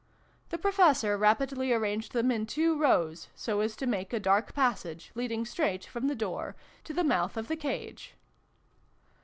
The Professor rapidly arranged them in two rows, so as to make a dark passage, leading straight from the door to the mouth of the cage.